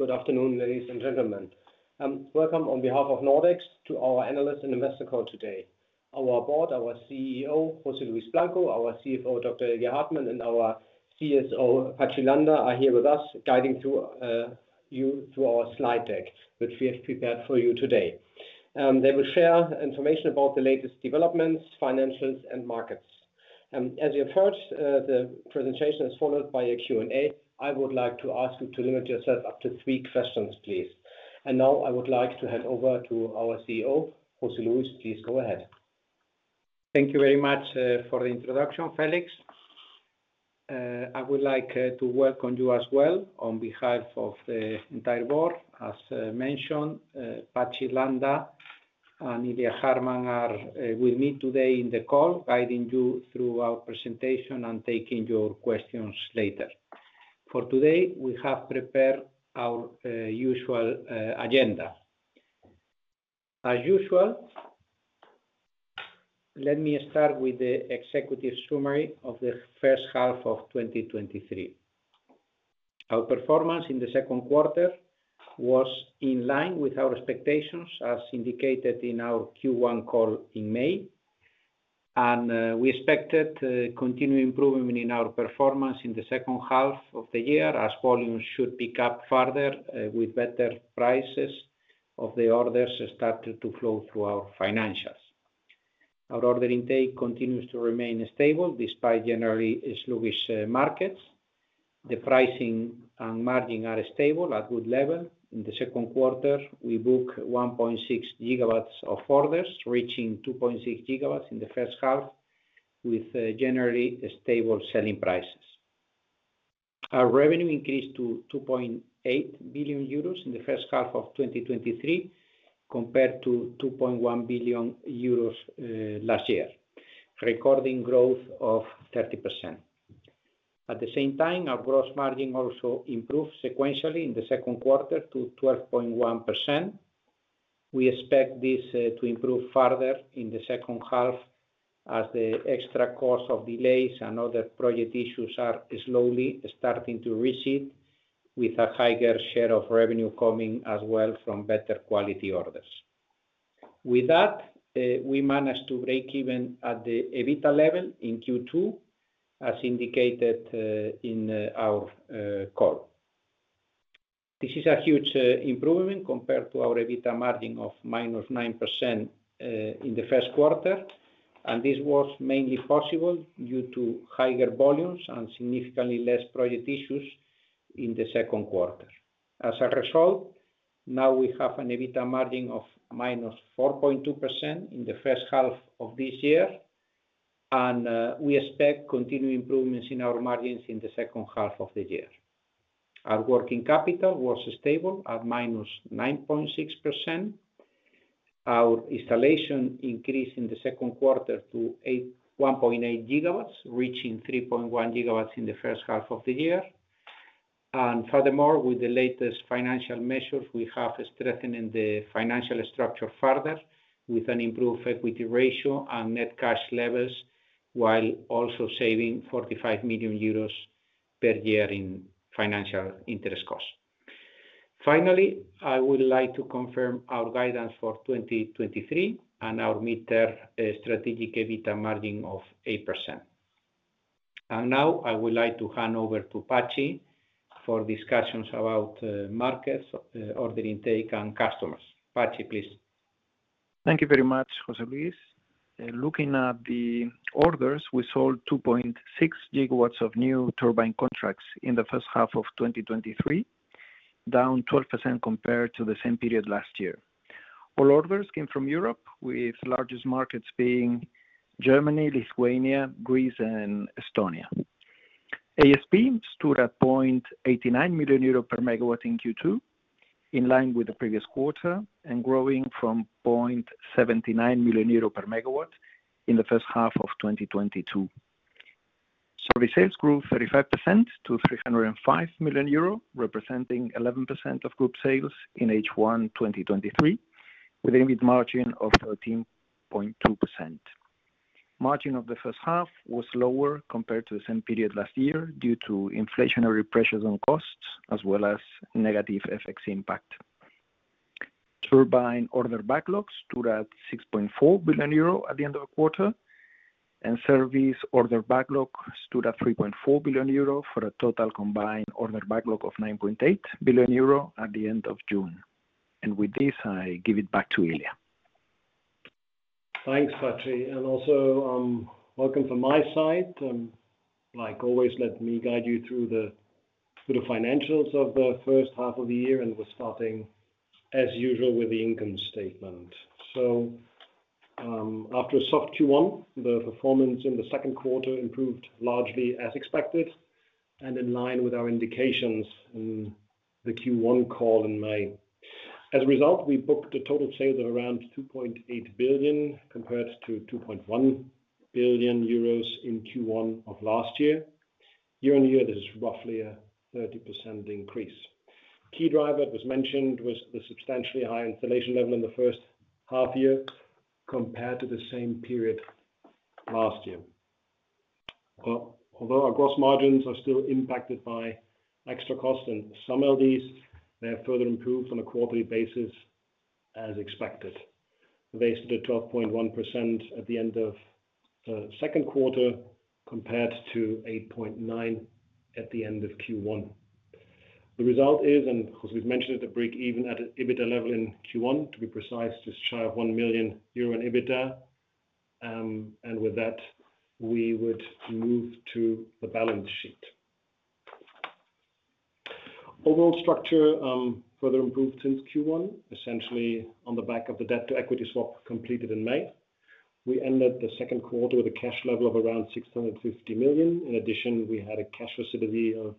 Good afternoon, ladies and gentlemen. Welcome on behalf of Nordex, to our analyst and investor call today. Our board, our CEO, Jose Luis Blanco, our CFO, Dr. Ilya Hartmann, and our CSO, Patxi Landa, are here with us, guiding through you through our slide deck, which we have prepared for you today. They will share information about the latest developments, financials, and markets. As you approach, the presentation is followed by a Q&A. I would like to ask you to limit yourself up to three questions, please. Now, I would like to hand over to our CEO, Jose Luis. Please, go ahead. Thank you very much for the introduction, Felix. I would like to welcome you as well on behalf of the entire board. As mentioned, Patxi Landa and Ilya Hartmann are with me today in the call, guiding you through our presentation and taking your questions later. For today, we have prepared our usual agenda. As usual, let me start with the executive summary of the first half of 2023. Our performance in the second quarter was in line with our expectations, as indicated in our Q1 call in May. We expected continued improvement in our performance in the second half of the year, as volumes should pick up further with better prices of the orders started to flow through our financials. Our order intake continues to remain stable despite generally sluggish markets. The pricing and margin are stable at good level. In the second quarter, we booked 1.6 gigawatts of orders, reaching 2.6 gigawatts in the first half, with generally stable selling prices. Our revenue increased to 2.8 billion euros in the first half of 2023, compared to 2.1 billion euros last year, recording growth of 30%. At the same time, our gross margin also improved sequentially in the second quarter to 12.1%. We expect this to improve further in the second half, as the extra cost of delays and other project issues are slowly starting to recede, with a higher share of revenue coming as well from better quality orders. With that, we managed to break even at the EBITDA level in Q2, as indicated in our call. This is a huge improvement compared to our EBITDA margin of -9% in Q1. This was mainly possible due to higher volumes and significantly less project issues in Q2. As a result, now we have an EBITDA margin of -4.2% in H1 of this year. We expect continued improvements in our margins in H2 of the year. Our working capital was stable at -9.6%. Our installation increased in Q2 to 1.8 gigawatts, reaching 3.1 gigawatts in H1 of the year. Furthermore, with the latest financial measures, we have strengthened the financial structure further with an improved equity ratio and net cash levels, while also saving 45 million euros per year in financial interest costs. Finally, I would like to confirm our guidance for 2023 and our mid-term strategic EBITDA margin of 8%. Now, I would like to hand over to Patxi for discussions about markets, order intake, and customers. Patxi, please. Thank you very much, José Luis. Looking at the orders, we sold 2.6 gigawatts of new turbine contracts in H1 2023, down 12% compared to the same period last year. All orders came from Europe, with the largest markets being Germany, Lithuania, Greece, and Estonia. ASP stood at 0.89 million euro per megawatt in Q2, in line with the previous quarter and growing from 0.79 million euro per megawatt in H1 2022. Service sales grew 35% to 305 million euro, representing 11% of group sales in H1 2023, with a mid margin of 13.2%. Margin of H1 was lower compared to the same period last year due to inflationary pressures on costs, as well as negative FX impact. Turbine order backlogs stood at 6.4 billion euro at the end of the quarter, and service order backlog stood at 3.4 billion euro, for a total combined order backlog of 9.8 billion euro at the end of June. With this, I give it back to Ilya. Thanks, Patxi, and also, welcome from my side. Like always, let me guide you through the financials of the first half of the year, and we're starting, as usual, with the income statement. After a soft Q1, the performance in the second quarter improved largely as expected and in line with our indications in the Q1 call in May. As a result, we booked a total sale of around 2.8 billion, compared to 2.1 billion euros in Q1 of last year. Year-on-year, this is roughly a 30% increase. Key driver, it was mentioned, was the substantially high installation level in the first half year compared to the same period last year. Although our gross margins are still impacted by extra costs in some of these, they have further improved on a quarterly basis as expected, raised to the 12.1% at the end of second quarter, compared to 8.9% at the end of Q1. The result is, and of course, we've mentioned at the break-even at an EBITDA level in Q1, to be precise, just shy of 1 million euro in EBITDA. With that, we would move to the balance sheet. Overall structure, further improved since Q1, essentially on the back of the debt-to-equity swap completed in May. We ended the second quarter with a cash level of around 650 million. We had a cash visibility of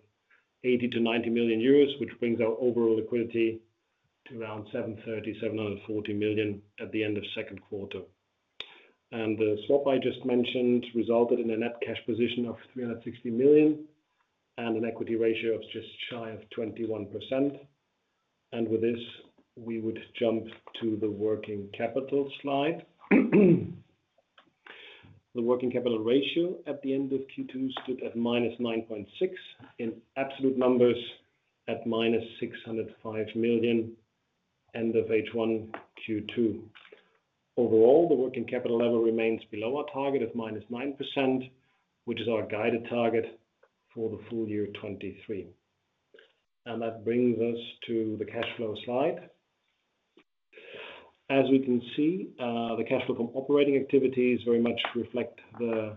80 million-90 million euros, which brings our overall liquidity to around 730 million-740 million at the end of second quarter. The swap I just mentioned resulted in a net cash position of 360 million and an equity ratio of just shy of 21%. With this, we would jump to the working capital slide. The working capital ratio at the end of Q2 stood at -9.6, in absolute numbers at -605 million, end of H1 Q2. Overall, the working capital level remains below our target of -9%, which is our guided target for the full year 2023. That brings us to the cash flow slide. As we can see, the cash flow from operating activities very much reflect the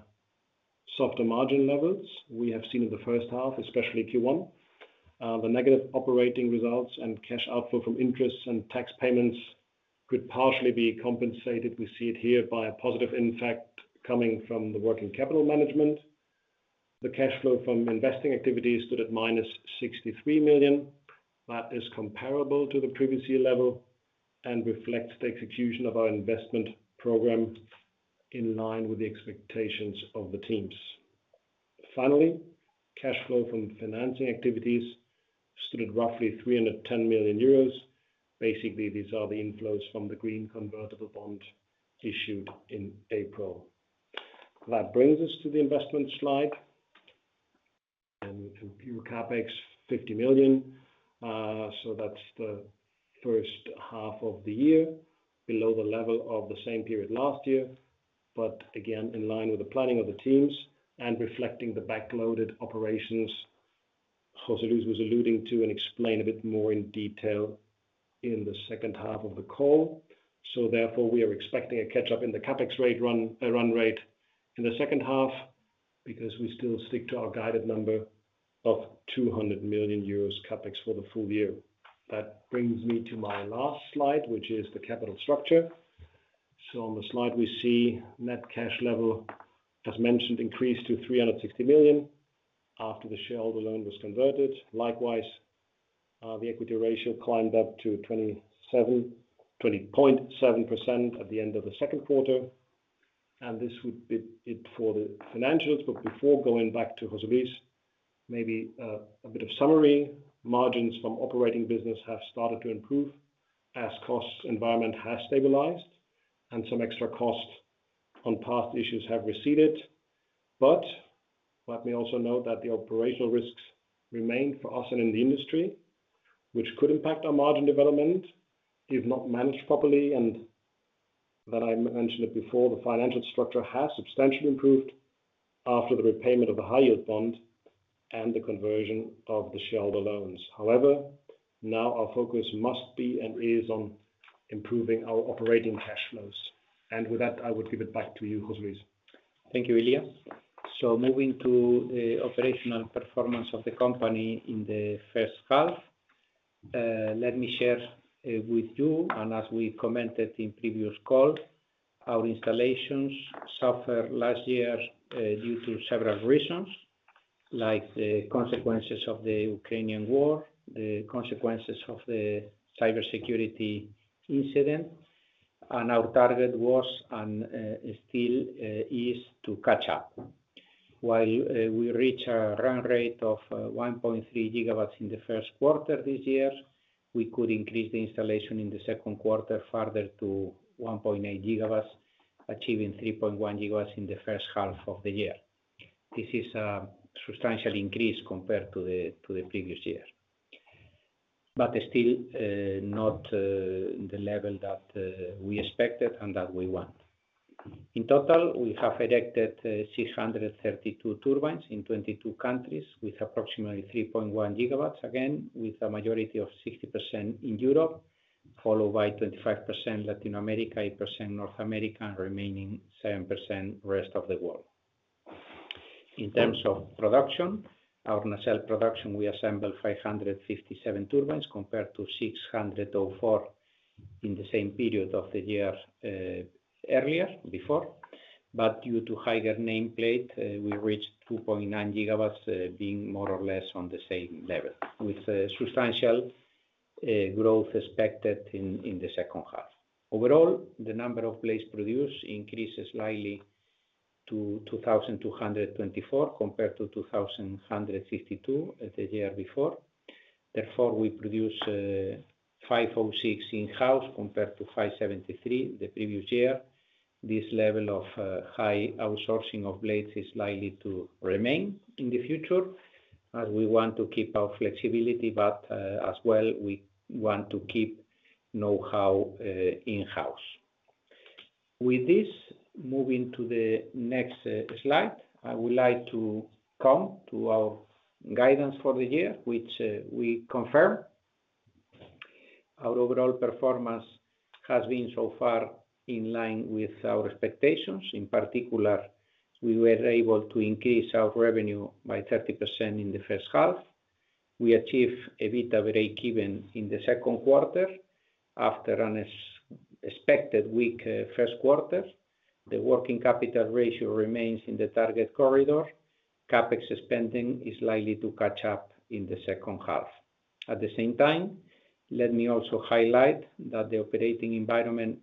softer margin levels we have seen in the first half, especially Q1. The negative operating results and cash outflow from interests and tax payments could partially be compensated, we see it here, by a positive impact coming from the working capital management. The cash flow from investing activities stood at minus 63 million. That is comparable to the previous year level and reflects the execution of our investment program in line with the expectations of the teams. Finally, cash flow from financing activities stood at roughly 310 million euros. These are the inflows from the green convertible bond issued in April. That brings us to the investment slide, and computer CapEx, 50 million. That's the first half of the year, below the level of the same period last year, but again, in line with the planning of the teams and reflecting the backloaded operations José Luis was alluding to, and explain a bit more in detail in the second half of the call. Therefore, we are expecting a catch-up in the CapEx rate run rate in the second half, because we still stick to our guided number of 200 million euros CapEx for the full year. That brings me to my last slide, which is the capital structure. On the slide, we see net cash level, as mentioned, increased to 360 million after the shareholder loan was converted. Likewise, the equity ratio climbed up to 20.7% at the end of the second quarter. This would be it for the financials. Before going back to José Luis, maybe a bit of summary. Margins from operating business have started to improve as costs environment has stabilized and some extra costs on past issues have receded. Let me also note that the operational risks remain for us and in the industry, which could impact our margin development if not managed properly, and that I mentioned it before, the financial structure has substantially improved after the repayment of the high-yield bond and the conversion of the shareholder loans. However, now our focus must be and is on improving our operating cash flows. With that, I would give it back to you, José Luis. Thank you, Ilya. Moving to the operational performance of the company in the first half, let me share with you. As we commented in previous call, our installations suffered last year due to several reasons, like the consequences of the Russo-Ukrainian War, the consequences of the cybersecurity incident, and our target was and still is to catch up. While we reach our run rate of 1.3 gigawatts in the first quarter this year, we could increase the installation in the second quarter further to 1.8 gigawatts, achieving 3.1 gigawatts in the first half of the year. This is a substantial increase compared to the previous year, still not the level that we expected and that we want. In total, we have erected, 632 turbines in 22 countries, with approximately 3.1 gigawatts, again, with a majority of 60% in Europe, followed by 25% Latin America, 8% North America, and remaining 7% rest of the world. In terms of production, our nacelle production, we assembled 557 turbines compared to 604 in the same period of the year, earlier before. Due to higher nameplate, we reached 2.9 gigawatts, being more or less on the same level, with a substantial growth expected in the second half. Overall, the number of blades produced increased slightly to 2,224, compared to 2,152 the year before. Therefore, we produce 506 in-house compared to 573 the previous year. This level of high outsourcing of blades is likely to remain in the future, as we want to keep our flexibility, but as well, we want to keep know-how in-house. With this, moving to the next slide, I would like to come to our guidance for the year, which we confirm. Our overall performance has been so far in line with our expectations. In particular, we were able to increase our revenue by 30% in the first half. We achieved EBITDA break-even in the second quarter after an expected weak first quarter. The working capital ratio remains in the target corridor. CapEx spending is likely to catch up in the second half. At the same time, let me also highlight that the operating environment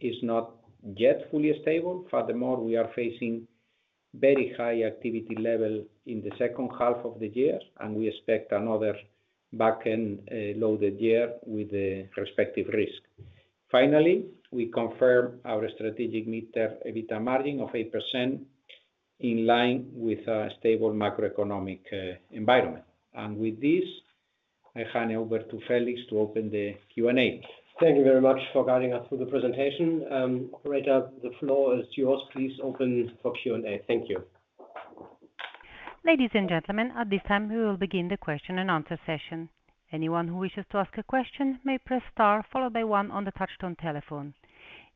is not yet fully stable. We are facing very high activity level in the second half of the year, and we expect another back-end loaded year with the respective risk. We confirm our strategic mid-term EBITDA margin of 8% in line with a stable macroeconomic environment. With this, I hand over to Felix to open the Q&A. Thank you very much for guiding us through the presentation. Operator, the floor is yours. Please open for Q&A. Thank you. Ladies and gentlemen, at this time, we will begin the question and answer session. Anyone who wishes to ask a question may press star followed by one on the touch-tone telephone.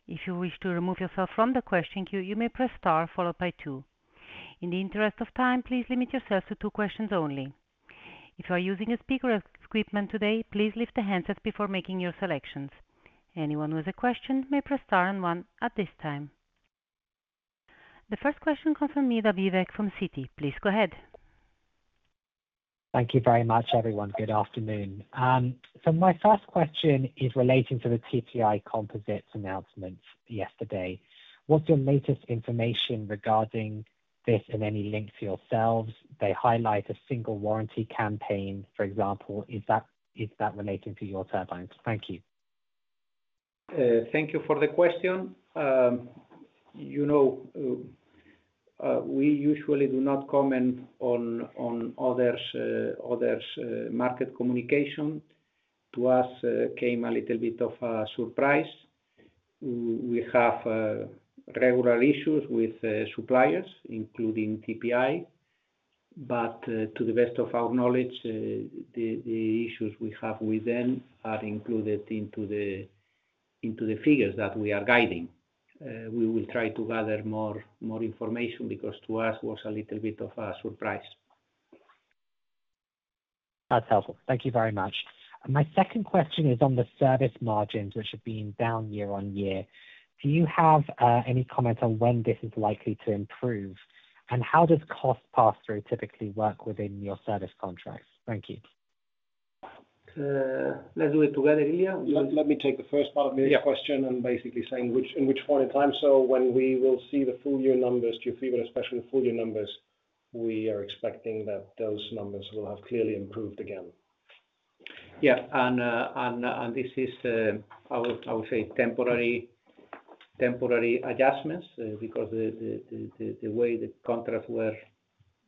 If you wish to remove yourself from the question queue, you may press star followed by two. In the interest of time, please limit yourselves to two questions only. If you are using a speaker equipment today, please lift the handsets before making your selections. Anyone with a question may press star and one at this time. The first question comes from Vivek Midha from Citigroup. Please go ahead. Thank you very much, everyone. Good afternoon. My first question is relating to the TPI Composites announcement yesterday. What's your latest information regarding this and any link to yourselves? They highlight a single warranty campaign, for example. Is that relating to your turbines? Thank you. Thank you for the question. You know, we usually do not comment on others market communication. To us came a little bit of a surprise. We have regular issues with suppliers, including TPI, but to the best of our knowledge, the issues we have with them are included into the figures that we are guiding. We will try to gather more information because to us was a little bit of a surprise. That's helpful. Thank you very much. My second question is on the service margins, which have been down year-over-year. Do you have any comment on when this is likely to improve? How does cost pass-through typically work within your service contracts? Thank you. Let's do it together here. Let me take the first part of this. Yeah question. I'm basically saying in which point in time. When we will see the full year numbers, Q3, but especially the full year numbers, we are expecting that those numbers will have clearly improved again. This is I would say temporary adjustments because the way the contracts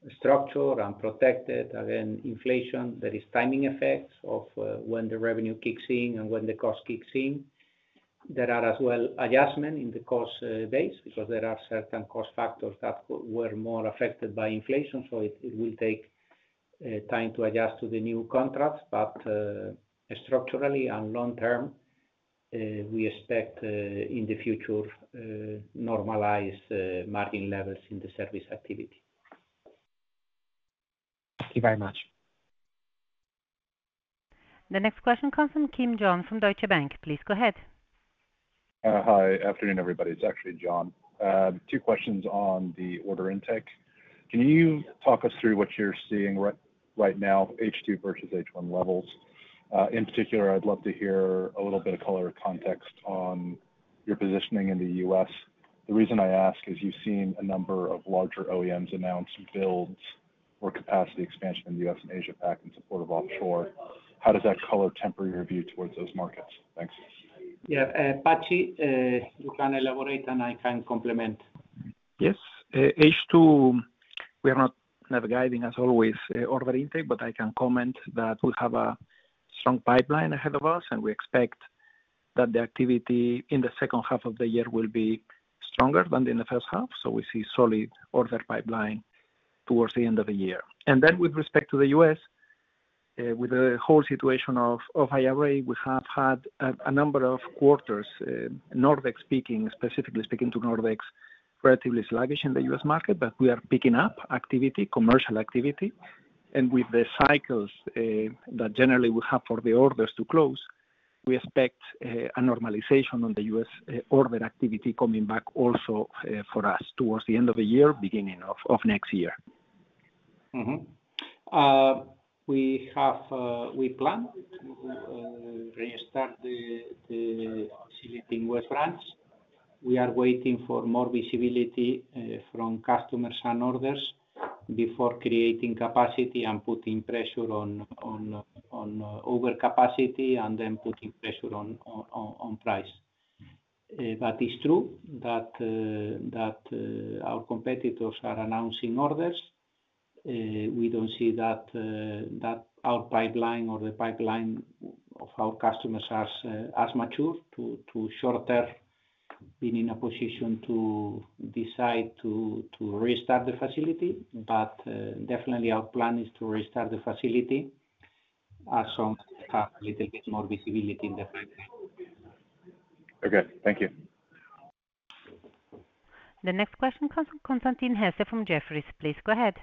were structured and protected, again, inflation, there is timing effects of when the revenue kicks in and when the cost kicks in. There are as well adjustment in the cost base, because there are certain cost factors that were more affected by inflation. It will take time to adjust to the new contracts. Structurally and long term, we expect in the future normalized margin levels in the service activity. Thank you very much. The next question comes from Kim Jong from Deutsche Bank. Please go ahead. Hi. Afternoon, everybody. It's actually John. Two questions on the order intake. Can you talk us through what you're seeing right now, H2 versus H1 levels? In particular, I'd love to hear a little bit of color or context on your positioning in the US. The reason I ask is you've seen a number of larger OEMs announce builds or capacity expansion in the US and Asia-Pac in support of offshore. How does that color temporary review towards those markets? Thanks. Yeah. Patxi, you can elaborate, and I can complement. Yes. H2, we are not navigating as always, order intake. I can comment that we have a strong pipeline ahead of us, and we expect that the activity in the second half of the year will be stronger than in the first half. We see solid order pipeline towards the end of the year. With respect to the US, with the whole situation of IRA, we have had a number of quarters, Nordex speaking, specifically speaking to Nordex, relatively sluggish in the US market. We are picking up activity, commercial activity. With the cycles that generally we have for the orders to close, we expect a normalization on the US, order activity coming back also for us towards the end of the year, beginning of next year. We have, we plan?... restart the facility in West France. We are waiting for more visibility from customers and orders before creating capacity and putting pressure on overcapacity and then putting pressure on price. It's true that our competitors are announcing orders. We don't see that our pipeline or the pipeline of our customers are as mature to shorter being in a position to decide to restart the facility. Definitely our plan is to restart the facility as soon as we have a little bit more visibility in the pipeline. Okay, thank you. The next question comes from Constantin Hesse from Jefferies. Please go ahead.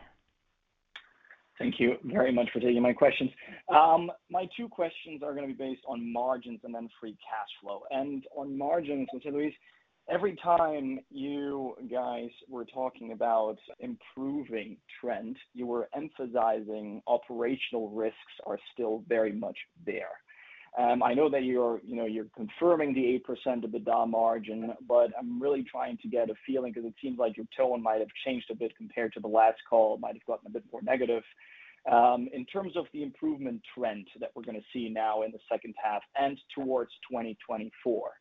Thank you very much for taking my questions. My two questions are gonna be based on margins and then free cash flow. On margins, José Luis Blanco, every time you guys were talking about improving trend, you were emphasizing operational risks are still very much there. I know that you're, you know, you're confirming the 8% of the EBITDA margin, but I'm really trying to get a feeling because it seems like your tone might have changed a bit compared to the last call. It might have gotten a bit more negative. In terms of the improvement trend that we're gonna see now in the second half and towards 2024.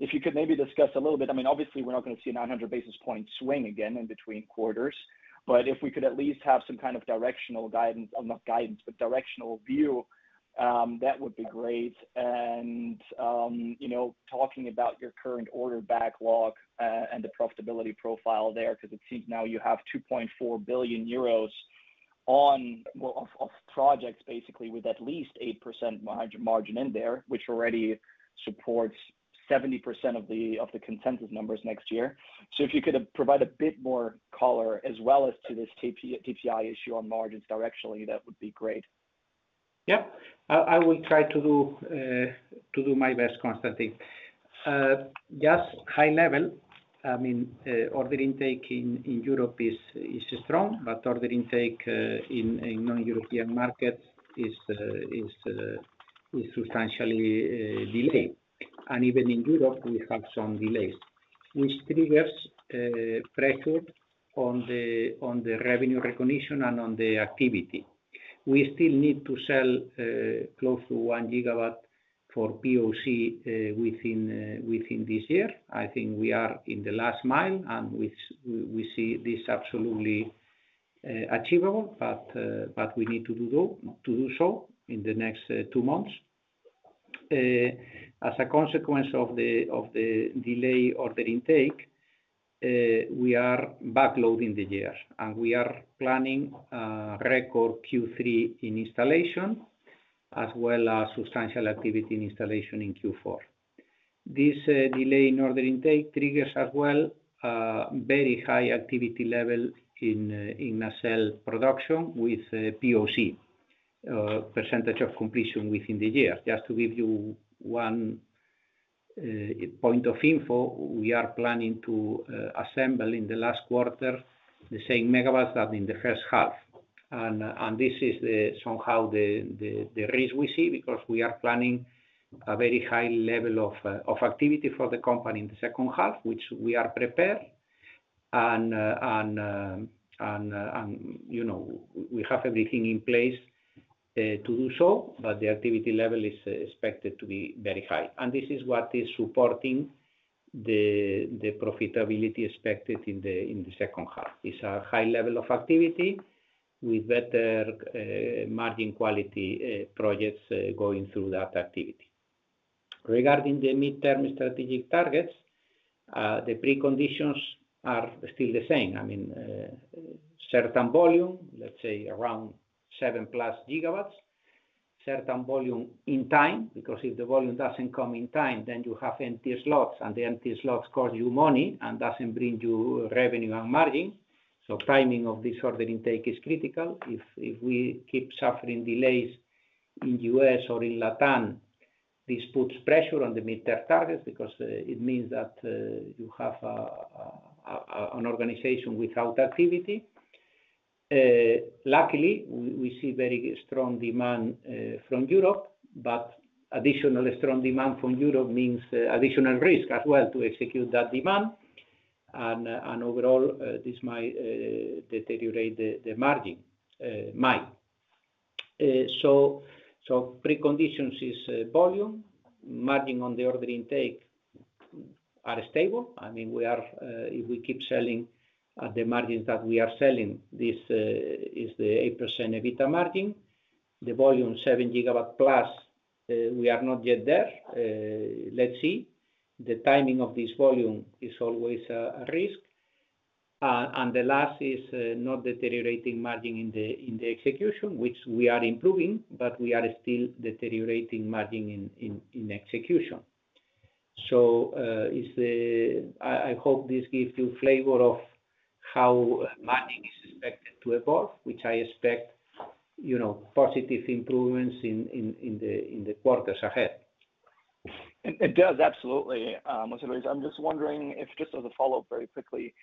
If you could maybe discuss a little bit. I mean, obviously, we're not gonna see a 900 basis point swing again in between quarters, but if we could at least have some kind of directional guidance, or not guidance, but directional view, that would be great. You know, talking about your current order backlog, and the profitability profile there, because it seems now you have 2.4 billion euros on, well, of, of projects, basically, with at least 8% margin in there, which already supports 70% of the, of the consensus numbers next year. If you could provide a bit more color as well as to this TPI issue on margins directionally, that would be great. I will try to do my best, Constantin. Just high level, I mean, order intake in Europe is strong, but order intake in non-European markets is substantially delayed. Even in Europe, we have some delays, which triggers pressure on the revenue recognition and on the activity. We still need to sell close to one gigawatt for POC within this year. I think we are in the last mile, and we see this absolutely achievable, but we need to do so, to do so in the next two months. As a consequence of the, of the delayed order intake, we are backloading the year, and we are planning a record Q3 in installation, as well as substantial activity in installation in Q4. This delay in order intake triggers as well, very high activity level in nacelle production with POC, percentage of completion within the year. Just to give you one point of info, we are planning to assemble in the last quarter, the same megawatts that in the first half. This is the somehow the, the, the raise we see because we are planning a very high level of activity for the company in the second half, which we are prepared. You know, we have everything in place to do so, but the activity level is expected to be very high. This is what is supporting the profitability expected in the second half. It's a high level of activity with better margin quality projects going through that activity. Regarding the midterm strategic targets, the preconditions are still the same. I mean, certain volume, let's say around 7+ gigawatts, certain volume in time, because if the volume doesn't come in time, then you have empty slots, and the empty slots cost you money and doesn't bring you revenue and margin. Timing of this order intake is critical. If we keep suffering delays in U.S. or in Latin, this puts pressure on the midterm targets because it means that you have an organization without activity. Luckily, we see very strong demand from Europe, but additional strong demand from Europe means additional risk as well to execute that demand. Overall, this might deteriorate the margin might. So preconditions is volume. Margin on the order intake are stable. I mean, we are, if we keep selling at the margins that we are selling, this is the 8% EBITDA margin. The volume, seven gigawatt plus, we are not yet there. Let's see. The timing of this volume is always a risk. The last is not deteriorating margin in the execution, which we are improving, but we are still deteriorating margin in execution. I hope this gives you a flavor of how margin is expected to evolve, which I expect, you know, positive improvements in the quarters ahead It, it does, absolutely, most of it. I'm just wondering if just as a follow-up very quickly,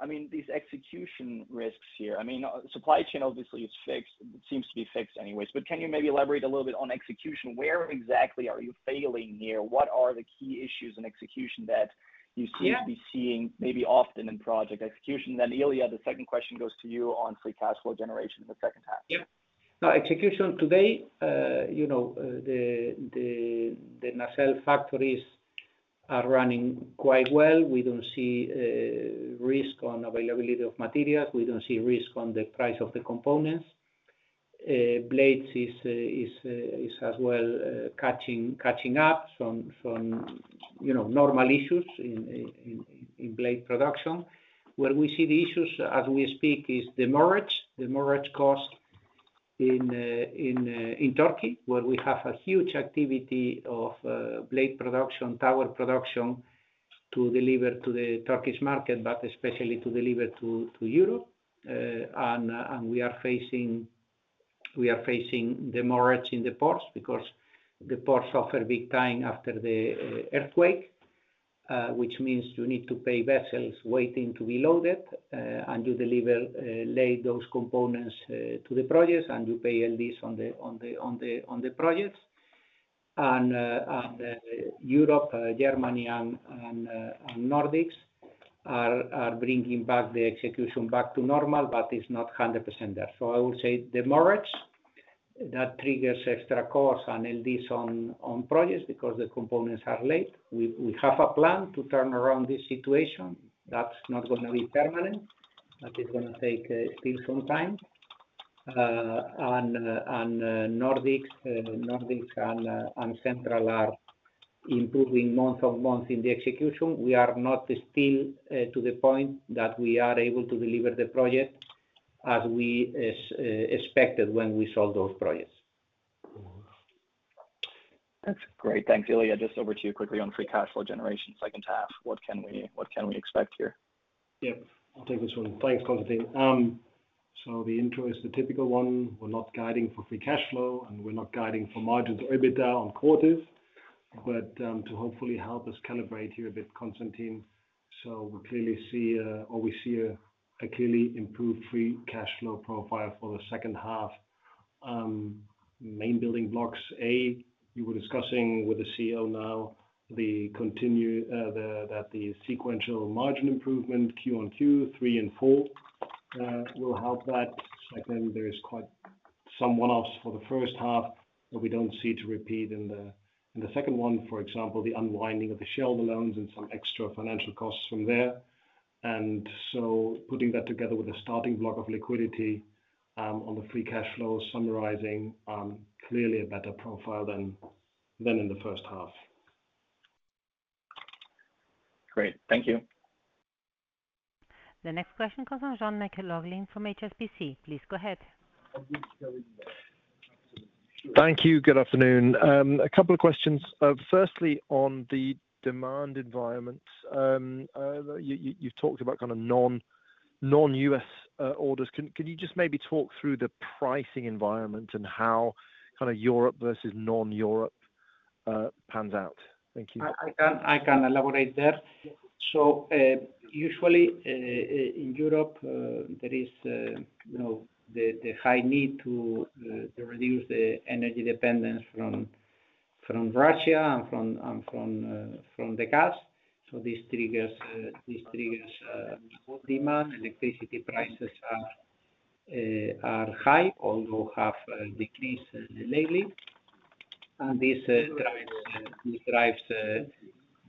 I mean, these execution risks here, I mean, supply chain obviously is fixed. It seems to be fixed anyways, but can you maybe elaborate a little bit on execution? Where exactly are you failing here? What are the key issues in execution that you- Yeah seem to be seeing, maybe often in project execution? Ilya, the second question goes to you on free cash flow generation in the second half. Yep. Now, execution today, you know, the nacelle factories are running quite well. We don't see a risk on availability of materials, we don't see risk on the price of the components. Blades is as well catching up on some, you know, normal issues in blade production. Where we see the issues as we speak, is the moorage cost in Turkey, where we have a huge activity of blade production, tower production, to deliver to the Turkish market, but especially to deliver to Europe. And we are facing the moorage in the ports because the ports suffered big time after the earthquake, which means you need to pay vessels waiting to be loaded, and you deliver late those components to the projects, and you pay LDs on the projects. Europe, Germany, and Nordics are bringing back the execution back to normal, but it's not 100% there. I would say the moorage, that triggers extra costs on LDs on projects because the components are late. We have a plan to turn around this situation. That's not gonna be permanent, but it's gonna take still some time. And Nordics and Central are improving month-on-month in the execution. We are not still to the point that we are able to deliver the project as we expected when we sold those projects. That's great. Thanks. Ilya, just over to you quickly on free cash flow generation, second half, what can we expect here? Yep, I'll take this one. Thanks, Constantin. The intro is the typical one. We're not guiding for free cash flow, we're not guiding for margins or EBITDA on quarters. To hopefully help us calibrate here a bit, Constantin, we see a clearly improved free cash flow profile for the second half. Main building blocks, A, you were discussing with the CEO now, that the sequential margin improvement Q on Q, three and four, will help that. Second, there is quite some one-offs for the first half, we don't see to repeat in the second one, for example, the unwinding of the shelter loans and some extra financial costs from there. Putting that together with a starting block of liquidity, on the free cash flow, summarizing, clearly a better profile than in the first half. Great. Thank you. The next question comes from Sean McLoughlin from HSBC. Please go ahead. Thank you. Good afternoon. A couple of questions. Firstly, on the demand environment, you've talked about kind of non-US orders. Can you just maybe talk through the pricing environment and how kind of Europe versus non-Europe pans out? Thank you. I can elaborate there. Usually, in Europe, there is, you know, the high need to reduce the energy dependence from Russia and from the gas. This triggers demand. Electricity prices are high, although have decreased lately, and this drives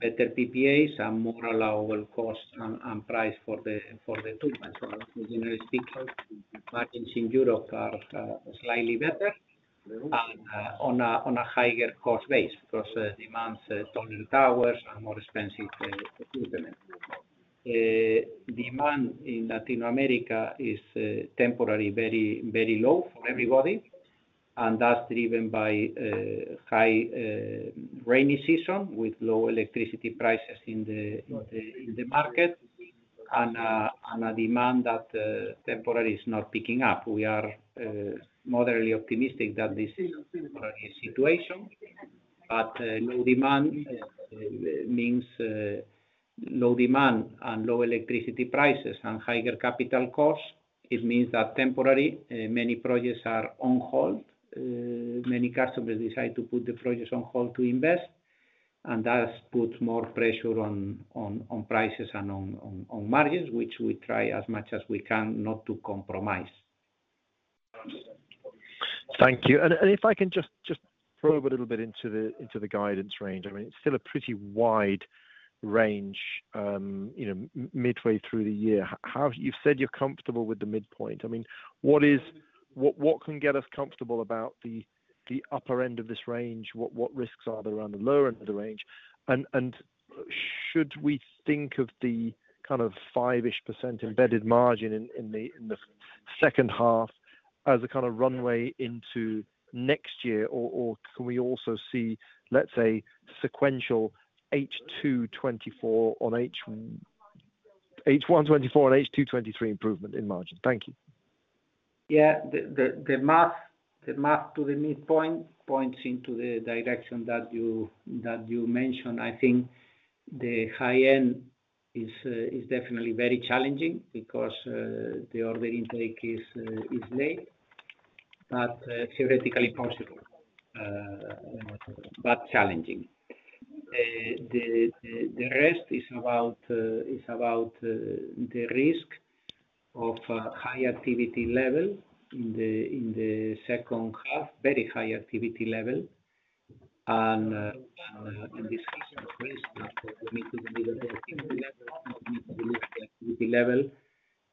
better PPAs and more allowable cost and price for the toolbox. Generally speaking, margins in Europe are slightly better and on a higher cost base because demands taller towers and more expensive equipment. Demand in Latin America is temporarily very low for everybody, and that's driven by a high rainy season, with low electricity prices in the market and a demand that temporarily is not picking up. We are moderately optimistic that this is a temporary situation, but low demand means low demand and low electricity prices and higher capital costs. It means that temporarily, many projects are on hold. Many customers decide to put the projects on hold to invest. That puts more pressure on prices and on margins, which we try as much as we can not to compromise. Thank you. If I can just probe a little bit into the guidance range. I mean, it's still a pretty wide range, you know, midway through the year. How you've said you're comfortable with the midpoint. I mean, what can get us comfortable about the upper end of this range? What risks are there around the lower end of the range? Should we think of the kind of 5-ish% embedded margin in the second half as a kind of runway into next year? Or can we also see, let's say, sequential H2 2024 on H1 2024 and H2 2023 improvement in margins? Thank you. Yeah, the math to the midpoint points into the direction that you mentioned. I think the high end is definitely very challenging because the order intake is late, but theoretically possible, but challenging. The rest is about the risk of high activity level in the second half, very high activity level. In this case, for instance, for me to deliver the activity level, not me to deliver the activity level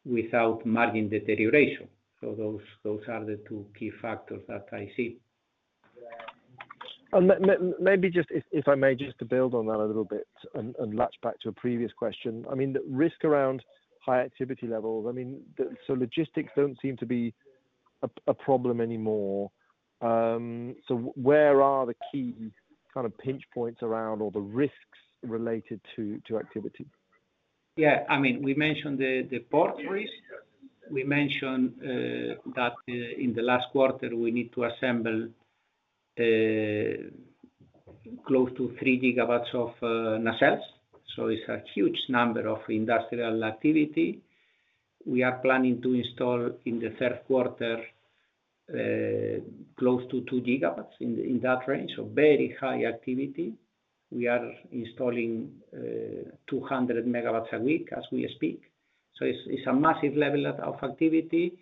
without margin deterioration. Those are the two key factors that I see. Maybe just if I may, just to build on that a little bit and latch back to a previous question. I mean, the risk around high activity levels. I mean, logistics don't seem to be a problem anymore. Where are the key kind of pinch points around or the risks related to activity? Yeah. I mean, we mentioned the port risk. We mentioned that in the last quarter, we need to assemble close to 3 gigawatts of nacelles. It's a huge number of industrial activity. We are planning to install in the third quarter, close to 2 gigawatts in that range. Very high activity. We are installing 200 megawatts a week as we speak. It's a massive level of activity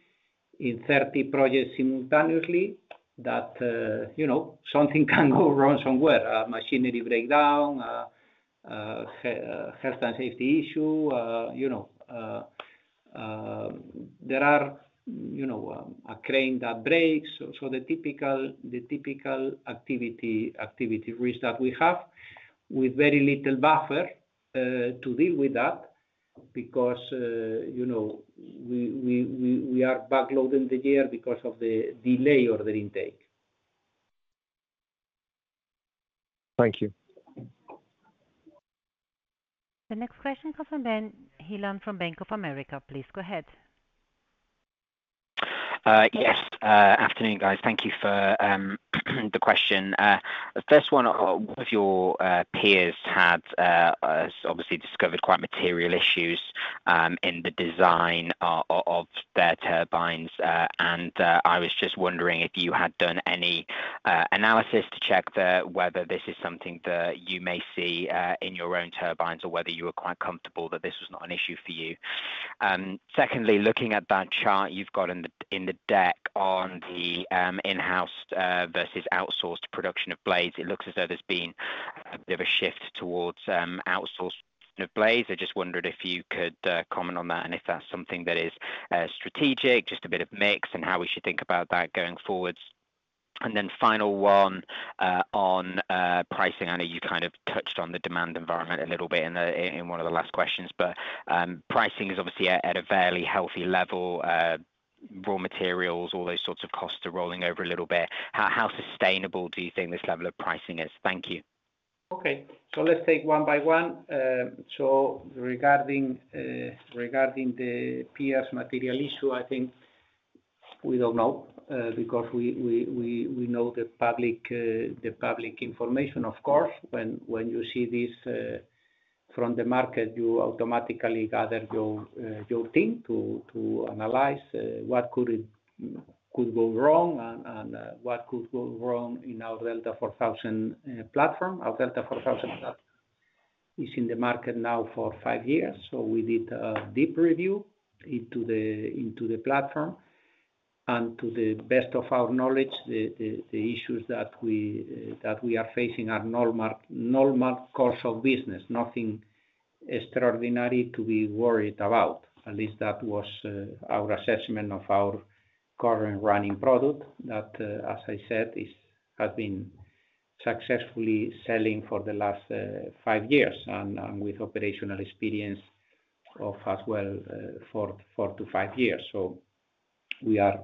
in 30 projects simultaneously that, you know, something can go wrong somewhere. A machinery breakdown, health and safety issue, you know, there are, you know, a crane that breaks. The typical activity risk that we have with very little buffer to deal with that because, you know, we are backloading the year because of the delay order intake. Thank you. The next question comes from Benjamin Heelan, from Bank of America. Please go ahead. Yes, afternoon, guys. Thank you for the question. The first one, one of your peers had obviously discovered quite material issues in the design of their turbines. I was just wondering if you had done any analysis to check whether this is something that you may see in your own turbines, or whether you are quite comfortable that this was not an issue for you. Secondly, looking at that chart you've got in the deck on the in-house versus outsourced production of blades, it looks as though there's been a bit of a shift towards outsourced blades. I just wondered if you could comment on that and if that's something that is strategic, just a bit of mix, and how we should think about that going forwards. Final 1 on pricing. I know you kind of touched on the demand environment a little bit in the, in one of the last questions, but pricing is obviously at a fairly healthy level. Raw materials, all those sorts of costs are rolling over a little bit. How sustainable do you think this level of pricing is? Thank you. Okay, let's take one by one. Regarding the peer's material issue, I think we don't know because we know the public information, of course. When you see this from the market, you automatically gather your team to analyze what could go wrong in our Delta4000 platform. Our Delta4000 platform is in the market now for five years, so we did a deep review into the platform. To the best of our knowledge, the issues that we are facing are normal course of business. Nothing extraordinary to be worried about. At least that was our assessment of our current running product that, as I said, has been successfully selling for the last five years and, with operational experience of as well, 4 to 5 years. We are,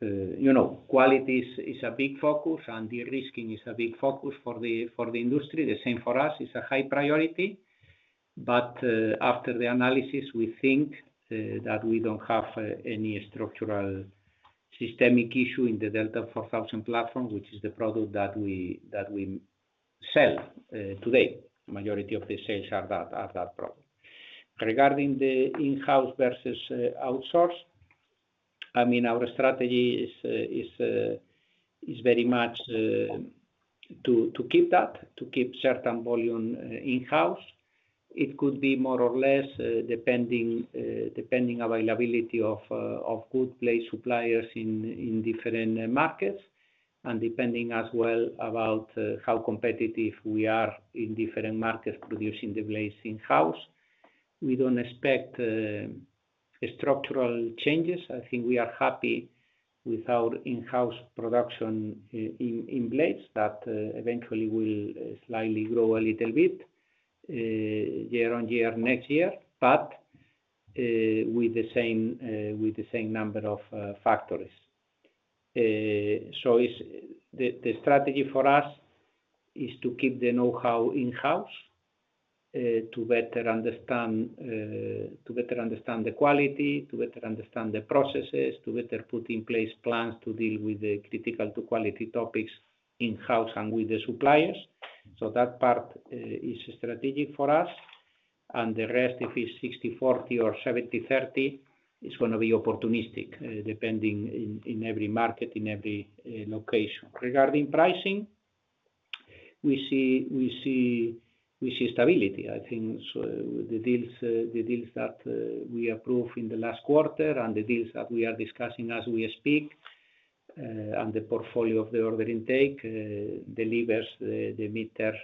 you know, quality is a big focus, and de-risking is a big focus for the industry. The same for us, it's a high priority. After the analysis, we think that we don't have any structural systemic issue in the Delta4000 platform, which is the product that we sell today. Majority of the sales are that product. Regarding the in-house versus outsource, I mean, our strategy is very much to keep that, to keep certain volume in-house. It could be more or less, depending, depending availability of good place suppliers in different markets, and depending as well about how competitive we are in different markets producing the blades in-house. We don't expect structural changes. I think we are happy with our in-house production in blades that eventually will slightly grow a little bit year on year, next year, but with the same, with the same number of factories. It's the strategy for us to keep the know-how in-house, to better understand the quality, to better understand the processes, to better put in place plans to deal with the critical to quality topics in-house and with the suppliers. That part is strategic for us, and the rest, if it's 60/40 or 70/30, it's gonna be opportunistic, depending in every market, in every location. Regarding pricing, we see stability. I think, the deals that we approved in the last quarter and the deals that we are discussing as we speak, and the portfolio of the order intake delivers the mid-term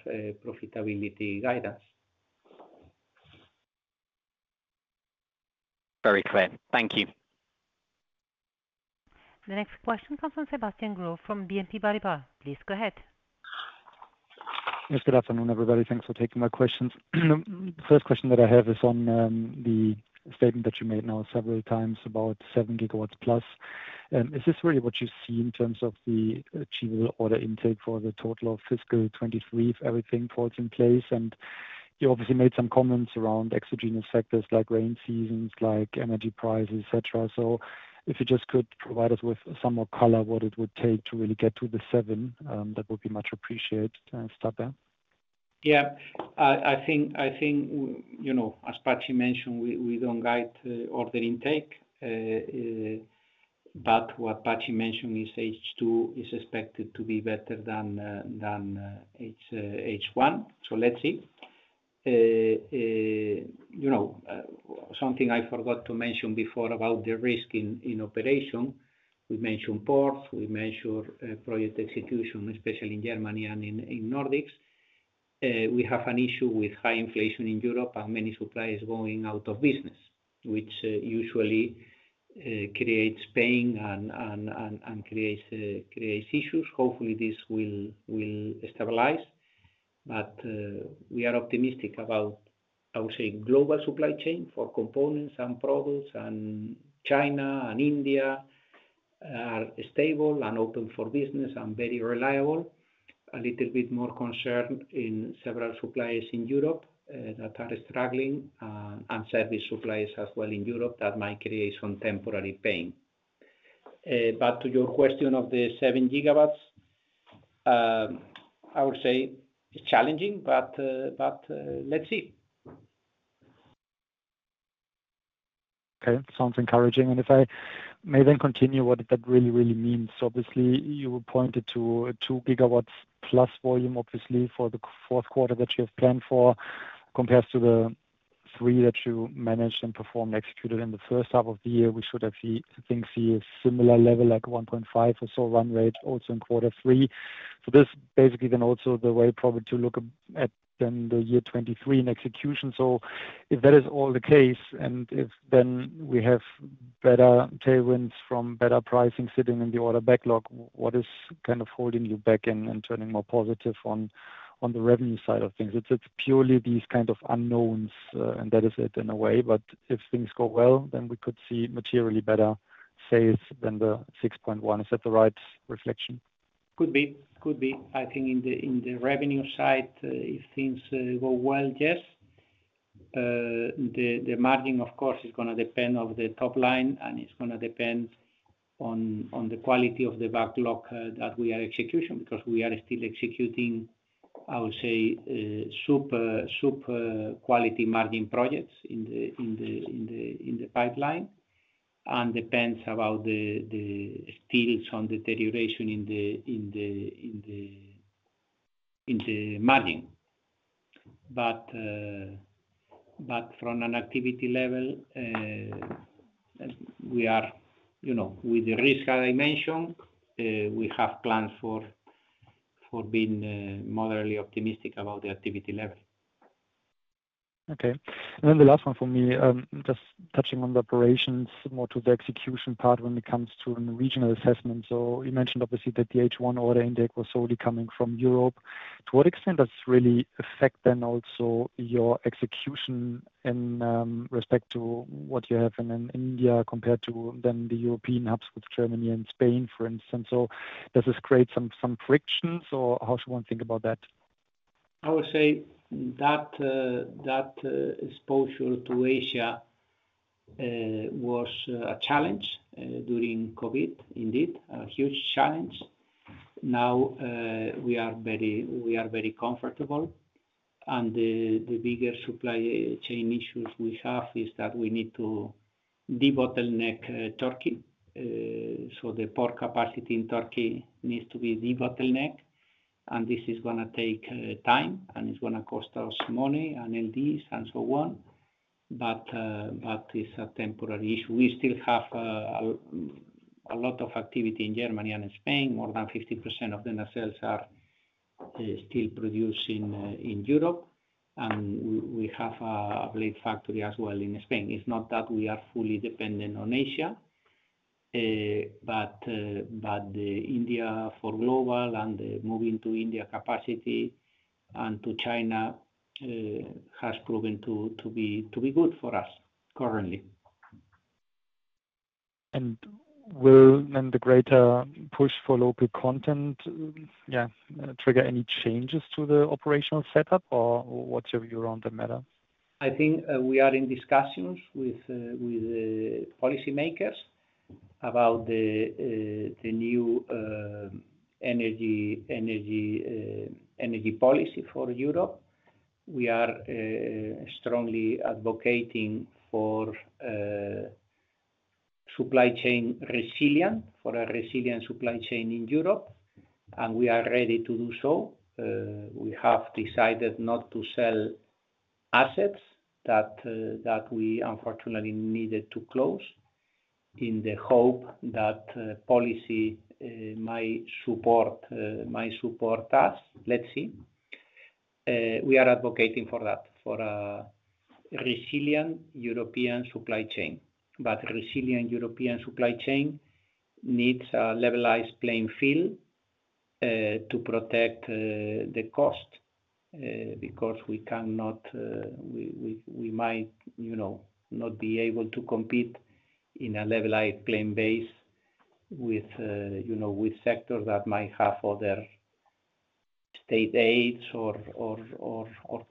profitability guidance. Very clear. Thank you. The next question comes from Sebastian Growe from BNP Paribas. Please go ahead. Yes, good afternoon, everybody. Thanks for taking my questions. First question that I have is on the statement that you made now several times about 7 gigawatts plus. Is this really what you see in terms of the achievable order intake for the total of fiscal 2023, if everything falls in place? You obviously made some comments around exogenous factors like rain seasons, like energy prices, et cetera. If you just could provide us with some more color, what it would take to really get to the 7, that would be much appreciated to start there. Yeah. I think, you know, as Patxi mentioned, we don't guide order intake. What Patxi mentioned is H2 is expected to be better than H1. Let's see. You know, something I forgot to mention before about the risk in operation. We mentioned ports, we mentioned project execution, especially in Germany and in Nordics. We have an issue with high inflation in Europe and many suppliers going out of business, which usually creates pain and creates issues. Hopefully, this will stabilize. We are optimistic about, I would say, global supply chain for components and products, China and India are stable and open for business and very reliable. A little bit more concerned in several suppliers in Europe, that are struggling, and service suppliers as well in Europe that might create some temporary pain. Back to your question of the 7 gigawatts, I would say it's challenging, but let's see. Okay. Sounds encouraging. If I may then continue what that really means. Obviously, you pointed to a 2 gigawatts+ volume, obviously, for the fourth quarter that you have planned for, compared to the 3 that you managed and performed, executed in the first half of the year. We should actually, I think, see a similar level, like 1.5 or so run rate also in quarter three. This basically then also the way probably to look at then the year 2023 in execution. If that is all the case, and if then we have better tailwinds from better pricing sitting in the order backlog, what is kind of holding you back and turning more positive on the revenue side of things? It's purely these kind of unknowns, and that is it in a way, but if things go well, then we could see materially better sales than the 6.1. Is that the right reflection? Could be, could be. I think in the revenue side, if things go well, yes. The margin, of course, is gonna depend on the top line, and it's gonna depend on the quality of the backlog that we are executing, because we are still executing, I would say, super quality margin projects in the pipeline, and depends about the stills on deterioration in the margin. From an activity level, we are... You know, with the risk, as I mentioned, we have plans for being moderately optimistic about the activity level. Okay. The last one for me, just touching on the operations, more to the execution part when it comes to an regional assessment. You mentioned obviously that the H1 order intake was solely coming from Europe. To what extent does this really affect also your execution in respect to what you have in India, compared to the European, perhaps with Germany and Spain, for instance? Does this create some frictions, or how should one think about that? I would say that exposure to Asia was a challenge during COVID, indeed, a huge challenge. Now, we are very comfortable, and the bigger supply chain issues we have is that we need to debottleneck Turkey. The port capacity in Turkey needs to be debottleneck, and this is gonna take time, and it's gonna cost us money and LDs and so on. It's a temporary issue. We still have a lot of activity in Germany and in Spain. More than 50% of the nacelles are still produced in Europe, and we have a blade factory as well in Spain. It's not that we are fully dependent on Asia, but the India for global and the moving to India capacity. To China has proven to be good for us currently. Will then the greater push for local content, yeah, trigger any changes to the operational setup, or what's your view on the matter? I think we are in discussions with policymakers about the new energy policy for Europe. We are strongly advocating for supply chain resilience, for a resilient supply chain in Europe. We are ready to do so. We have decided not to sell assets that we unfortunately needed to close in the hope that policy might support us. Let's see. We are advocating for that, for a resilient European supply chain. Resilient European supply chain needs a levelized playing field to protect the cost, because we cannot... We might, you know, not be able to compete in a levelized playing base with, you know, with sectors that might have other state aids or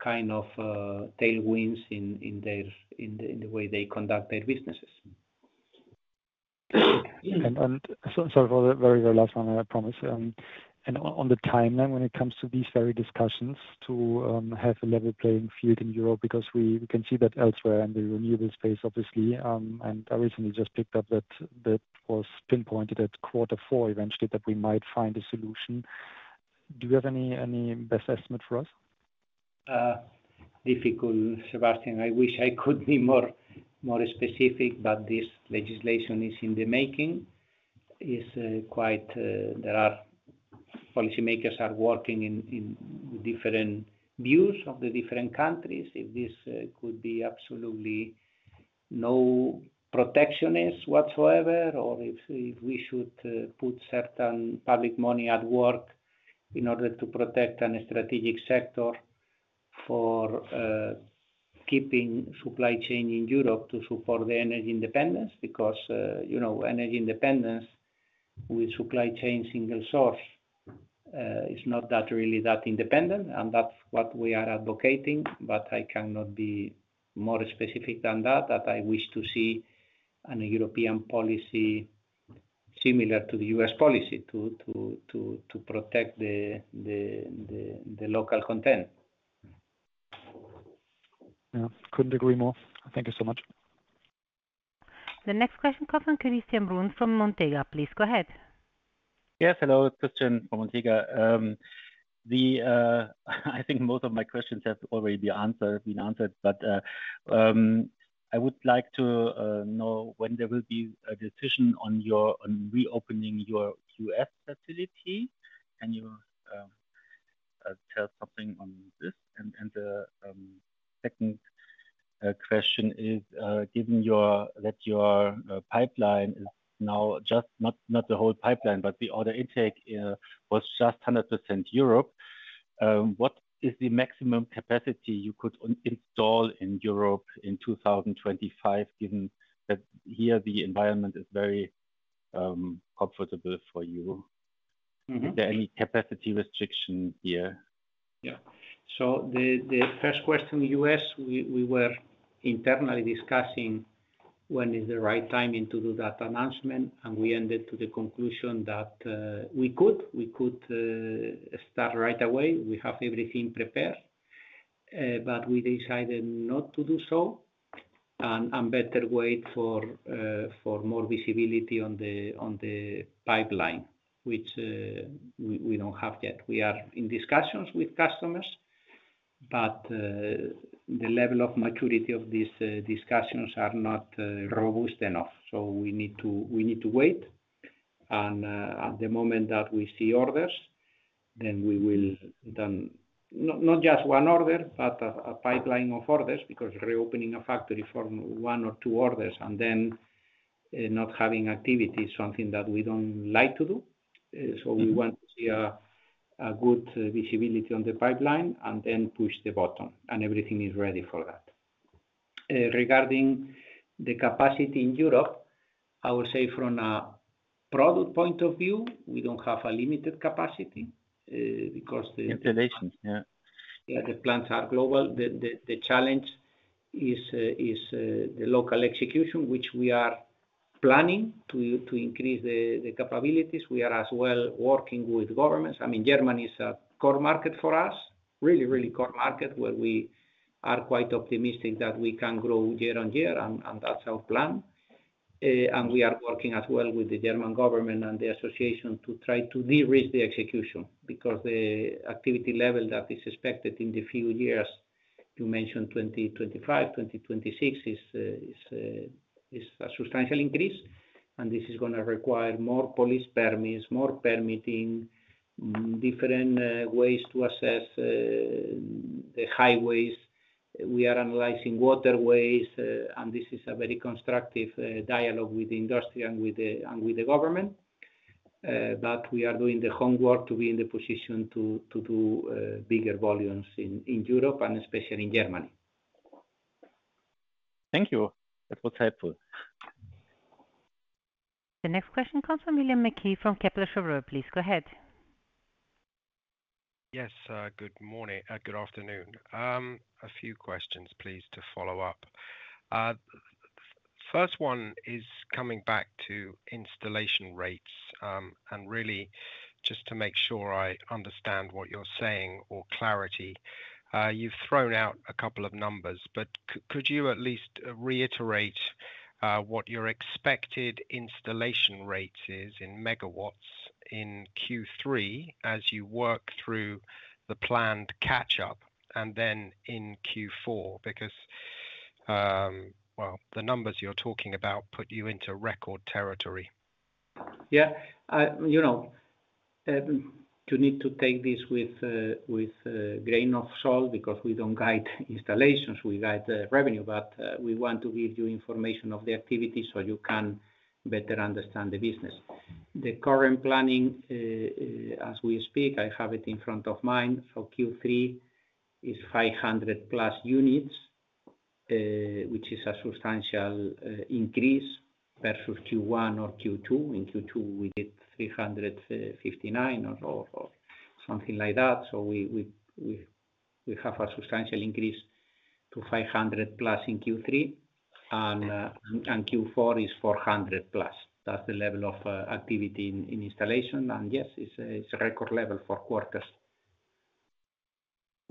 kind of tailwinds in their, in the way they conduct their businesses. Sorry for the very, very last one, I promise. On the timeline, when it comes to these very discussions to have a level playing field in Europe, because we, we can see that elsewhere in the renewable space, obviously. I recently just picked up that that was pinpointed at quarter four, eventually, that we might find a solution. Do you have any best estimate for us? Difficult, Sebastian. I wish I could be more specific. This legislation is in the making. It's quite. Policymakers are working in different views of the different countries. If this could be absolutely no protectionist whatsoever, or if we should put certain public money at work in order to protect any strategic sector for keeping supply chain in Europe to support the energy independence. Because, you know, energy independence with supply chain single source is not that really that independent, and that's what we are advocating. I cannot be more specific than that, that I wish to see an European policy similar to the U.S. policy to protect the local content. Yeah. Couldn't agree more. Thank you so much. The next question comes from Christian Bruns from Montega AG. Please, go ahead. Yes, hello. Christian from Montega. I think most of my questions have already been answered. I would like to know when there will be a decision on your, on reopening your U.S. facility. Can you tell something on this? The second question is given that your pipeline is now just not the whole pipeline, but the order intake was just 100% Europe, what is the maximum capacity you could install in Europe in 2025, given that here the environment is very comfortable for you? Mm-hmm. Is there any capacity restriction here? Yeah. The first question, US, we were internally discussing when is the right timing to do that announcement, we ended to the conclusion that we could start right away. We have everything prepared, we decided not to do so and better wait for more visibility on the pipeline, which we don't have yet. We are in discussions with customers, the level of maturity of these discussions are not robust enough. We need to wait, at the moment that we see orders, then we will, not just one order, but a pipeline of orders, because reopening a factory from one or two orders and not having activity is something that we don't like to do. Mm-hmm. We want to see a good visibility on the pipeline and then push the button, and everything is ready for that. Regarding the capacity in Europe, I would say from a product point of view, we don't have a limited capacity. Installation, yeah. Yeah, the plants are global. The challenge is the local execution, which we are planning to increase the capabilities. We are as well working with governments. I mean, Germany is a core market for us, really core market, where we are quite optimistic that we can grow year on year, and that's our plan. We are working as well with the German government and the association to try to de-risk the execution, because the activity level that is expected in the few years, you mentioned 2025, 2026, is a substantial increase, and this is gonna require more police permits, more permitting, different ways to assess the highways. We are analyzing waterways, and this is a very constructive dialogue with industry and with the government. We are doing the homework to be in the position to, to do bigger volumes in Europe and especially in Germany. Thank you. That was helpful. The next question comes from William Mackie from Kepler Cheuvreux. Please go ahead. Yes, good morning, good afternoon. A few questions, please, to follow up. First one is coming back to installation rates, and really just to make sure I understand what you're saying or clarity. You've thrown out a couple of numbers, but could you at least reiterate what your expected installation rate is in megawatts in Q3 as you work through the planned catch-up and then in Q4? Well, the numbers you're talking about put you into record territory. Yeah. you know, you need to take this with a grain of salt because we don't guide installations, we guide the revenue. we want to give you information of the activity so you can better understand the business. The current planning, as we speak, I have it in front of mine, for Q3 is 500+ units, which is a substantial increase versus Q1 or Q2. In Q2, we did 359 or something like that. we have a substantial increase to 500+ in Q3, and Q4 is 400+. That's the level of activity in installation, and yes, it's a record level for quarters.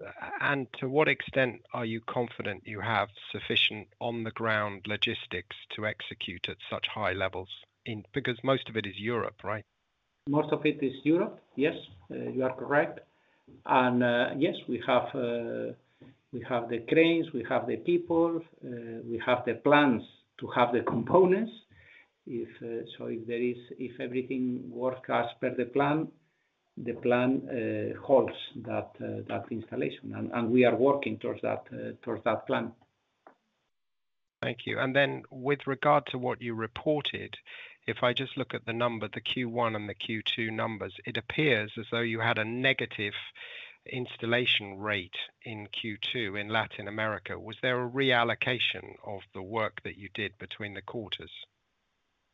To what extent are you confident you have sufficient on-the-ground logistics to execute at such high levels in? Most of it is Europe, right? Most of it is Europe. Yes, you are correct. Yes, we have the cranes, we have the people, we have the plans to have the components. If everything works as per the plan, the plan holds that installation, and we are working towards that plan. Thank you. With regard to what you reported, if I just look at the number, the Q1 and the Q2 numbers, it appears as though you had a negative installation rate in Q2 in Latin America. Was there a reallocation of the work that you did between the quarters?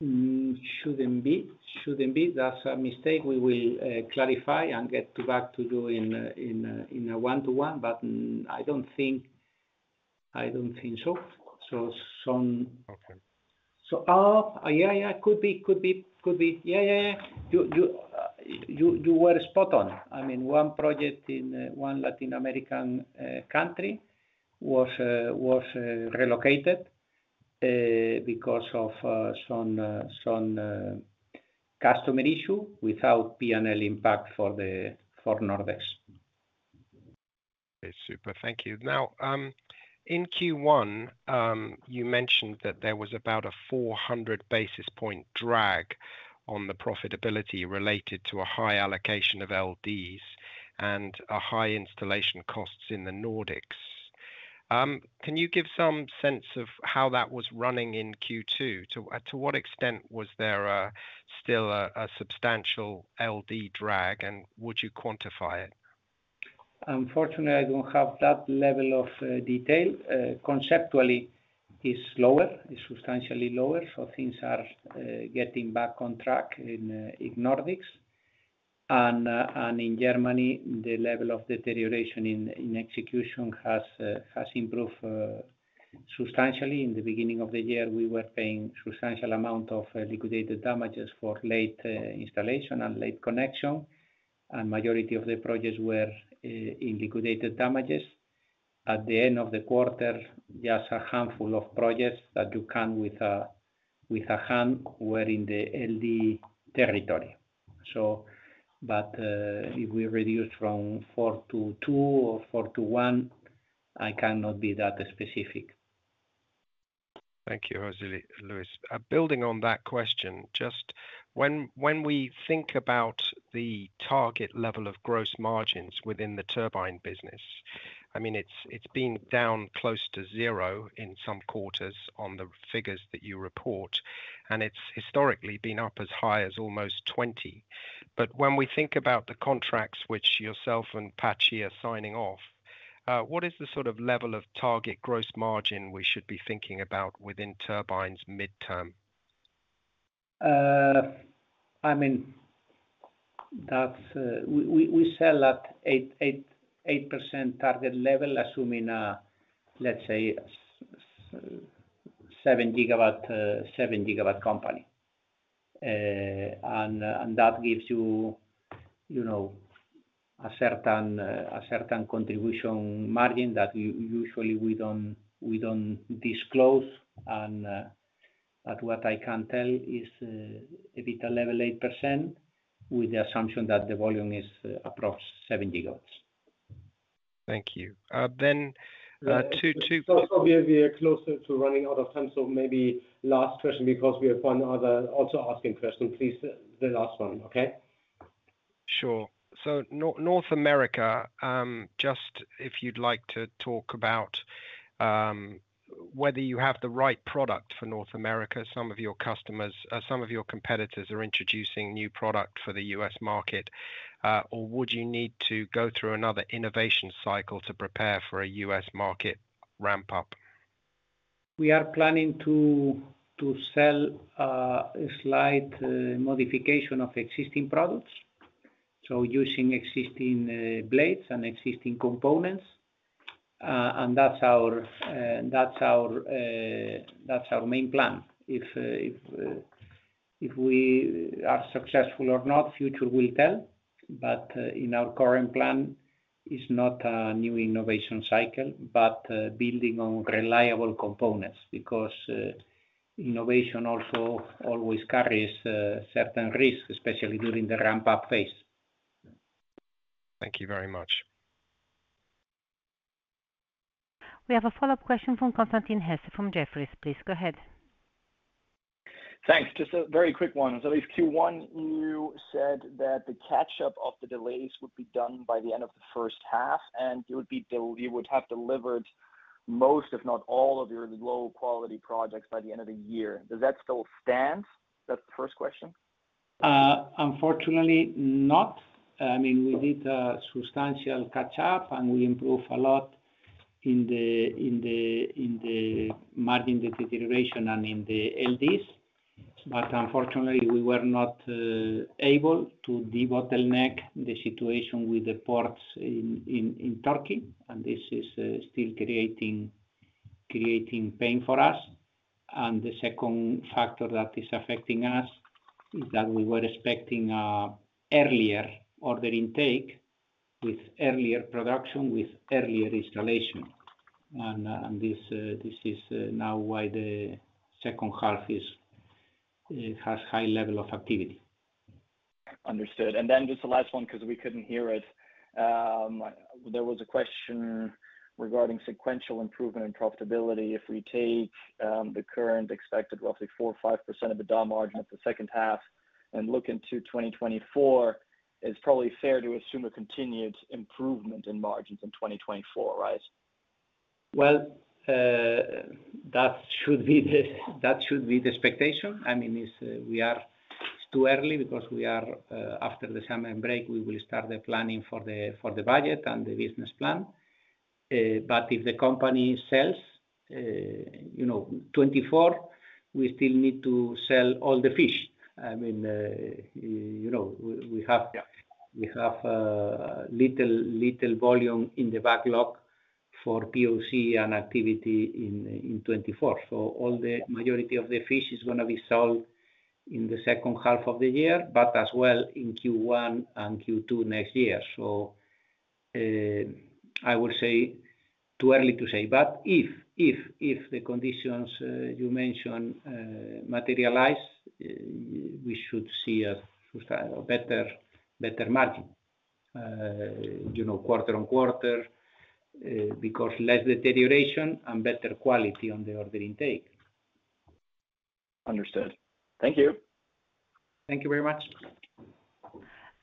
Shouldn't be. Shouldn't be. That's a mistake we will clarify and get back to you in a one-to-one, but I don't think, I don't think so. Okay. oh, yeah, could be. Yeah. You were spot on. I mean, one project in one Latin American country was relocated because of some customer issue without P&L impact for Nordex. Okay, super. Thank you. Now, in Q1, you mentioned that there was about a 400 basis points drag on the profitability related to a high allocation of LDs and a high installation costs in the Nordics. Can you give some sense of how that was running in Q2? To what extent was there still a substantial LD drag, and would you quantify it? Unfortunately, I don't have that level of detail. Conceptually, it's lower, it's substantially lower, things are getting back on track in Nordics. In Germany, the level of deterioration in execution has improved substantially. In the beginning of the year, we were paying substantial amount of liquidated damages for late installation and late connection, majority of the projects were in liquidated damages. At the end of the quarter, just a handful of projects that you count with a hand were in the LD territory. If we reduce from 4 to 2 or 4 to 1, I cannot be that specific. Thank you, José Luis. Building on that question, just when we think about the target level of gross margins within the turbine business, I mean, it's been down close to 0 in some quarters on the figures that you report, and it's historically been up as high as almost 20%. When we think about the contracts which yourself and Patxi are signing off, what is the sort of level of target gross margin we should be thinking about within turbines midterm? I mean, that's. We sell at 8% target level, assuming, let's say, 7 gigawatt company. That gives you, you know, a certain contribution margin that we usually we don't disclose. But what I can tell is, EBITDA level 8%, with the assumption that the volume is approx 7 gigawatts. Thank you. We are closer to running out of time. Maybe last question because we have one other also asking question. Please, the last one, okay? Sure. North America, just if you'd like to talk about, whether you have the right product for North America, some of your customers, some of your competitors are introducing new product for the US market, or would you need to go through another innovation cycle to prepare for a US market ramp up? We are planning to sell a slight modification of existing products, so using existing blades and existing components. That's our main plan. If we are successful or not, future will tell, but in our current plan, it's not a new innovation cycle, but building on reliable components because innovation also always carries certain risks, especially during the ramp-up phase. Thank you very much. We have a follow-up question from Constantin Hesse from Jefferies. Please go ahead. Thanks. Just a very quick one. At least Q1, you said that the catch up of the delays would be done by the end of the first half, you would have delivered most, if not all, of your low-quality projects by the end of the year. Does that still stand? That's the first question. Unfortunately, not. I mean, we did a substantial catch up, we improved a lot in the margin, the deterioration, and in the LDs. Unfortunately, we were not able to debottleneck the situation with the ports in Turkey, this is still creating pain for us. The second factor that is affecting us is that we were expecting a earlier order intake with earlier production, with earlier installation. This is now why the second half is has high level of activity. Understood. Just the last one, because we couldn't hear it. There was a question regarding sequential improvement in profitability. If we take the current expected roughly 4% or 5% of the dollar margin at the second half and look into 2024, it's probably fair to assume a continued improvement in margins in 2024, right? Well, that should be the expectation. I mean, it's too early because we are, after the summer break, we will start the planning for the, for the budget and the business plan. If the company sells, you know, 2024, we still need to sell all the fish. I mean, you know, we have. Yeah... we have little volume in the backlog for POC and activity in 2024. All the majority of the fish is gonna be sold in the second half of the year, but as well in Q1 and Q2 next year. I would say too early to say, but if, if, if the conditions you mentioned materialize, we should see a sustainable better margin, you know, quarter-on-quarter, because less deterioration and better quality on the order intake. Understood. Thank you. Thank you very much.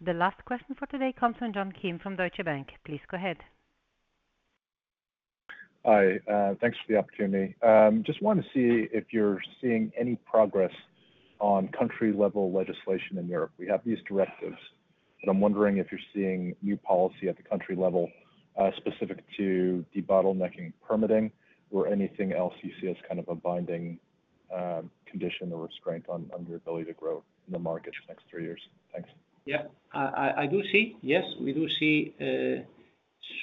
The last question for today comes from John Keam from Deutsche Bank. Please go ahead. Hi, thanks for the opportunity. Just wanted to see if you're seeing any progress on country-level legislation in Europe. I'm wondering if you're seeing new policy at the country level, specific to debottlenecking, permitting, or anything else you see as kind of a binding condition or restraint on your ability to grow in the market for the next three years. Thanks. I do see. Yes, we do see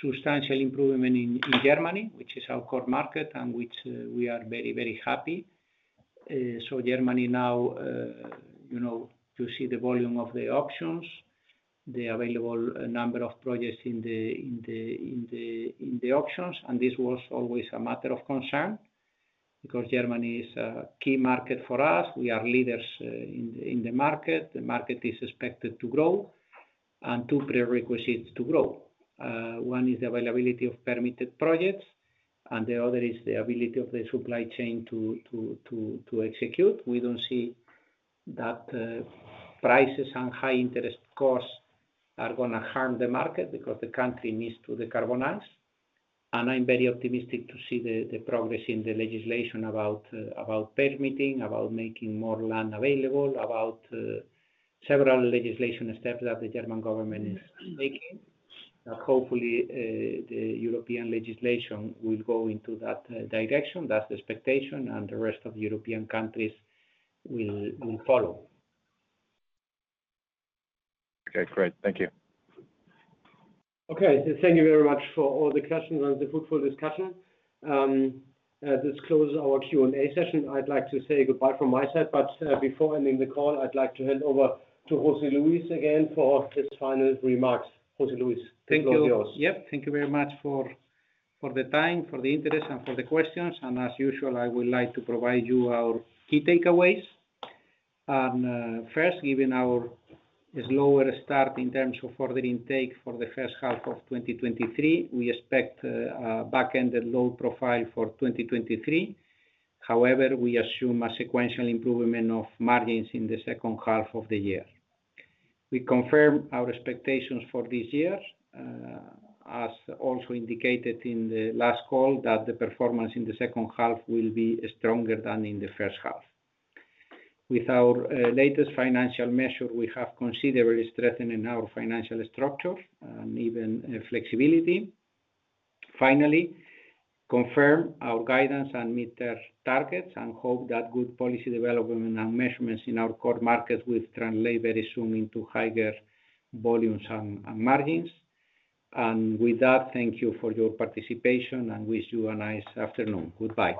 substantial improvement in Germany, which is our core market and which we are very happy. Germany now, you know, to see the volume of the auctions, the available number of projects in the auctions. This was always a matter of concern because Germany is a key market for us. We are leaders in the market. The market is expected to grow. Two prerequisites to grow. One is the availability of permitted projects. The other is the ability of the supply chain to execute. We don't see that prices and high interest costs are gonna harm the market because the country needs to decarbonize. I'm very optimistic to see the progress in the legislation about permitting, about making more land available, about several legislation steps that the German government is making. Hopefully, the European legislation will go into that direction. That's the expectation, and the rest of the European countries will follow. Okay, great. Thank you. Okay. Thank you very much for all the questions and the fruitful discussion. This closes our Q&A session. I'd like to say goodbye from my side. Before ending the call, I'd like to hand over to José Luis again for his final remarks. José Luis, the floor is yours. Thank you. Thank you very much for, for the time, for the interest, for the questions, and as usual, I would like to provide you our key takeaways. First, given our slower start in terms of order intake for the first half of 2023, we expect a back-ended load profile for 2023. However, we assume a sequential improvement of margins in the second half of the year. We confirm our expectations for this year, as also indicated in the last call, that the performance in the second half will be stronger than in the first half. With our latest financial measure, we have considerably strengthened our financial structure and even flexibility. Finally, confirm our guidance and meet the targets, and hope that good policy development and measurements in our core markets will translate very soon into higher volumes and margins. With that, thank you for your participation, and wish you a nice afternoon. Goodbye.